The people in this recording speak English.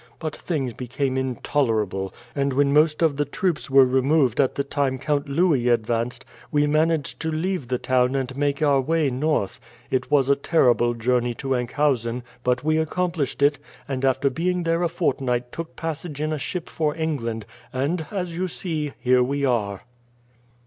But things became intolerable; and when most of the troops were removed at the time Count Louis advanced, we managed to leave the town and make our way north. It was a terrible journey to Enkhuizen; but we accomplished it, and after being there a fortnight took passage in a ship for England, and, as you see, here we are."